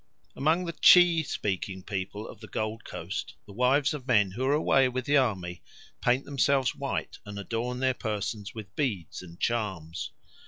Among the Tshi speaking peoples of the Gold Coast the wives of men who are away with the army paint themselves white, and adorn their persons with beads and charms.